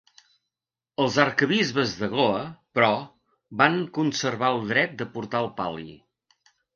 Els arquebisbes de Goa, però, van conservar el dret de portar el pal·li.